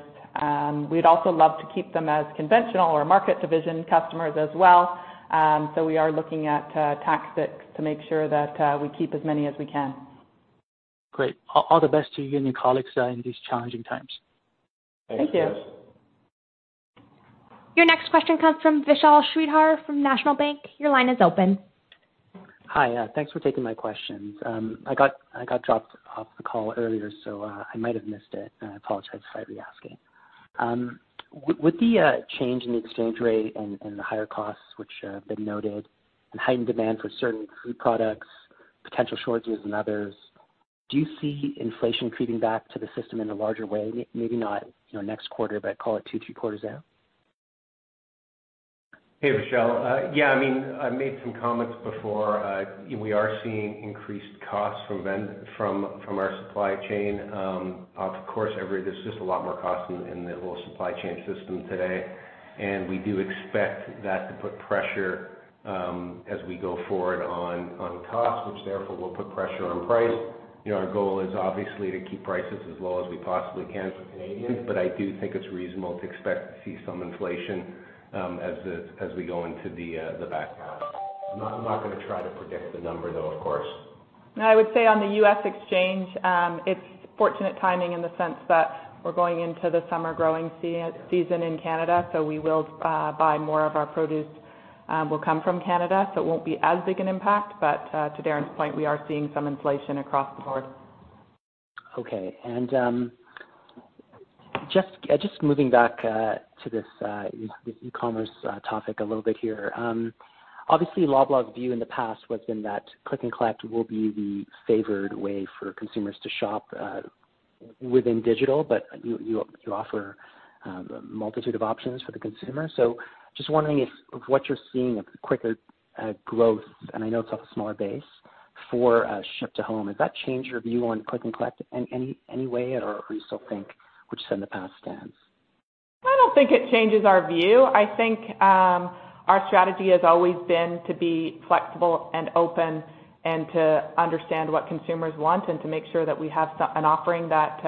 We'd also love to keep them as conventional or Market division customers as well. So we are looking at tactics to make sure that we keep as many as we can. Great. All the best to you and your colleagues in these challenging times. Thank you. Thank you. Your next question comes from Vishal Shreedhar from National Bank. Your line is open. Hi. Thanks for taking my questions. I got dropped off the call earlier, so I might have missed it. I apologize if I re-ask it. With the change in the exchange rate and the higher costs, which have been noted, and heightened demand for certain food products, potential shortages in others, do you see inflation creeping back to the system in a larger way, maybe not next quarter, but call it two, three quarters out? Hey, Vishal. Yeah. I mean, I made some comments before. We are seeing increased costs from our supply chain. Of course, there's just a lot more costs in the whole supply chain system today, and we do expect that to put pressure as we go forward on costs, which therefore will put pressure on price. Our goal is obviously to keep prices as low as we possibly can for Canadians, but I do think it's reasonable to expect to see some inflation as we go into the back half. I'm not going to try to predict the number, though, of course. I would say on the US exchange, it's fortunate timing in the sense that we're going into the summer growing season in Canada, so we will buy more of our produce that will come from Canada. So it won't be as big an impact. But to Darren's point, we are seeing some inflation across the board. Okay. And just moving back to this e-commerce topic a little bit here. Obviously, Loblaw's view in the past was that click and collect will be the favored way for consumers to shop within digital, but you offer a multitude of options for the consumer. So just wondering if what you're seeing of the quicker growth, and I know it's off a smaller base, for ship to home, has that changed your view on click and collect in any way, or do you still think we're just in the past tense? I don't think it changes our view. I think our strategy has always been to be flexible and open and to understand what consumers want and to make sure that we have an offering that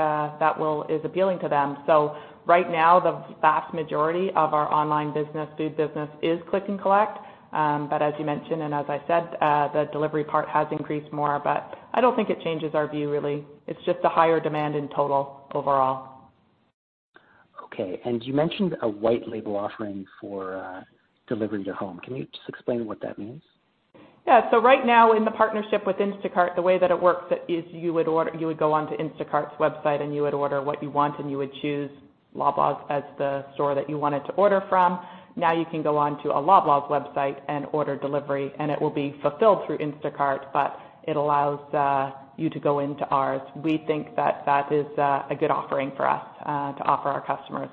is appealing to them. So right now, the vast majority of our online business, food business, is click and collect. But as you mentioned and as I said, the delivery part has increased more. But I don't think it changes our view, really. It's just a higher demand in total overall. Okay, and you mentioned a white label offering for delivery to home. Can you just explain what that means? Yeah. So right now, in the partnership with Instacart, the way that it works is you would go on to Instacart's website, and you would order what you want, and you would choose Loblaw as the store that you wanted to order from. Now you can go on to a Loblaw's website and order delivery, and it will be fulfilled through Instacart, but it allows you to go into ours. We think that that is a good offering for us to offer our customers.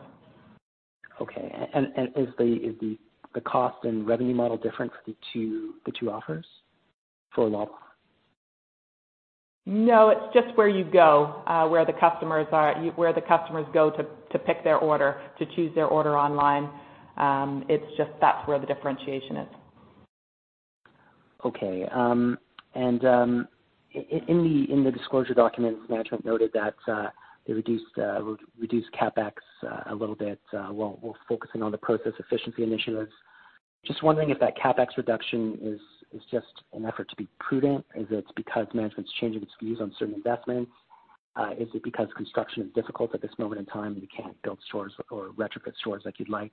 Okay, and is the cost and revenue model different for the two offers for Loblaw? No. It's just where you go, where the customers go to pick their order, to choose their order online. It's just, that's where the differentiation is. Okay. And in the disclosure documents, management noted that they reduced CapEx a little bit while focusing on the process efficiency initiatives. Just wondering if that CapEx reduction is just an effort to be prudent? Is it because management's changing its views on certain investments? Is it because construction is difficult at this moment in time and you can't build stores or retrofit stores like you'd like?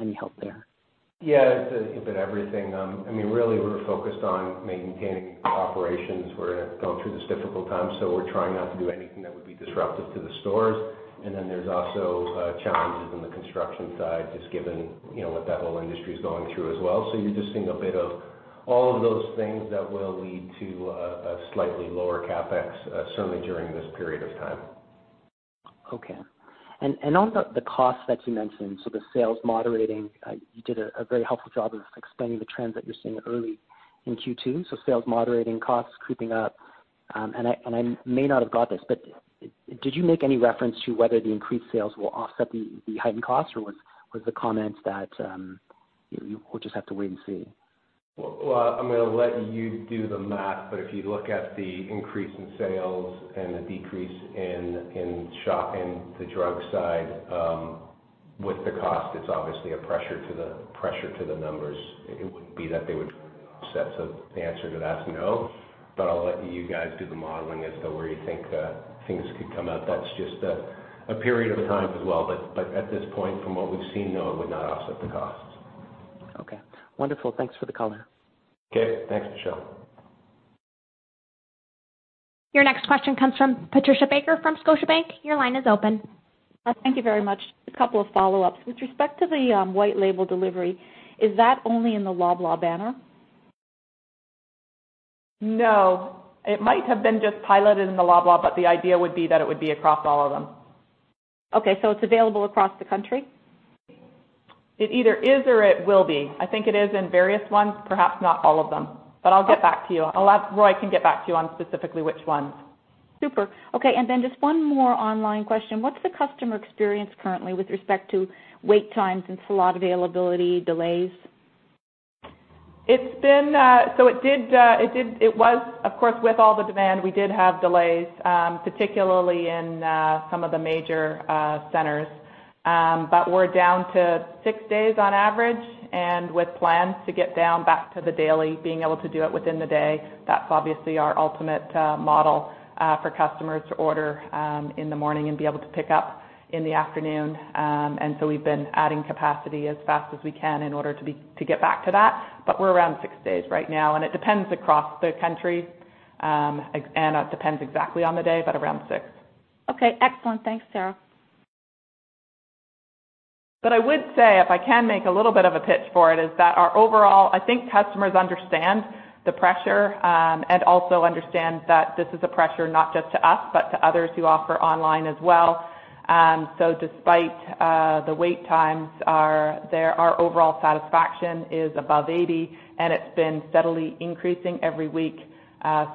Any help there? Yeah. It's a bit of everything. I mean, really, we're focused on maintaining operations. We're going through this difficult time, so we're trying not to do anything that would be disruptive to the stores. And then there's also challenges on the construction side just given what that whole industry is going through as well. So you're just seeing a bit of all of those things that will lead to a slightly lower CapEx, certainly during this period of time. Okay, and on the costs that you mentioned, so the sales moderating, you did a very helpful job of explaining the trends that you're seeing early in Q2, so sales moderating costs creeping up, and I may not have got this, but did you make any reference to whether the increased sales will offset the heightened costs, or was the comment that we'll just have to wait and see? I'm going to let you do the math, but if you look at the increase in sales and the decrease in the drug side with the cost, it's obviously a pressure to the numbers. It wouldn't be that they would offset. So the answer to that's no. But I'll let you guys do the modeling as to where you think things could come out. That's just a period of time as well. But at this point, from what we've seen, no, it would not offset the costs. Okay. Wonderful. Thanks for the color. Okay. Thanks, Vishal. Your next question comes from Patricia Baker from Scotiabank. Your line is open. Thank you very much. Just a couple of follow-ups. With respect to the white label delivery, is that only in the Loblaw banner? No. It might have been just piloted in the Loblaw, but the idea would be that it would be across all of them. Okay, so it's available across the country? It either is or it will be. I think it is in various ones, perhaps not all of them. But I'll get back to you. Roy can get back to you on specifically which ones. Super. Okay. And then just one more online question. What's the customer experience currently with respect to wait times and slot availability, delays? It was, of course, with all the demand, we did have delays, particularly in some of the major centers. But we're down to six days on average, and with plans to get down back to the daily, being able to do it within the day, that's obviously our ultimate model for customers to order in the morning and be able to pick up in the afternoon. And so we've been adding capacity as fast as we can in order to get back to that. But we're around six days right now. And it depends across the country, and it depends exactly on the day, but around six. Okay. Excellent. Thanks, Sarah. But I would say, if I can make a little bit of a pitch for it, is that our overall, I think customers understand the pressure and also understand that this is a pressure not just to us, but to others who offer online as well. So despite the wait times, our overall satisfaction is above 80, and it's been steadily increasing every week.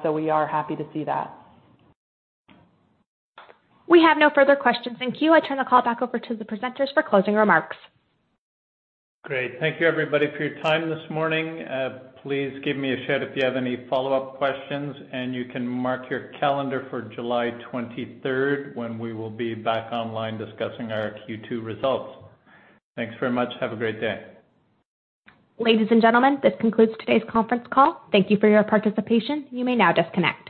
So we are happy to see that. We have no further questions in queue. I turn the call back over to the presenters for closing remarks. Great. Thank you, everybody, for your time this morning. Please give me a shout if you have any follow-up questions, and you can mark your calendar for July 23rd when we will be back online discussing our Q2 results. Thanks very much. Have a great day. Ladies and gentlemen, this concludes today's conference call. Thank you for your participation. You may now disconnect.